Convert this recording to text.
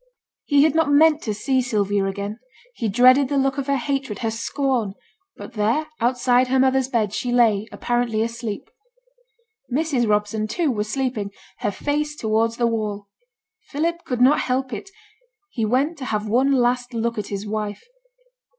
He had not meant to see Sylvia again; he dreaded the look of her hatred, her scorn, but there, outside her mother's bed, she lay, apparently asleep. Mrs. Robson, too, was sleeping, her face towards the wall. Philip could not help it; he went to have one last look at his wife.